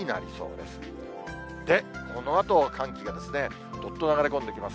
で、このあと寒気がどっと流れ込んできます。